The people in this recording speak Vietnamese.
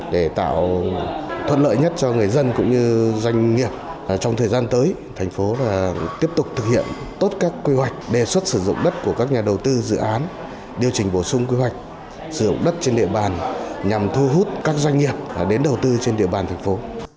để tạo thuận lợi nhất cho người dân cũng như doanh nghiệp trong thời gian tới thành phố tiếp tục thực hiện tốt các quy hoạch đề xuất sử dụng đất của các nhà đầu tư dự án điều chỉnh bổ sung quy hoạch sử dụng đất trên địa bàn nhằm thu hút các doanh nghiệp đến đầu tư trên địa bàn thành phố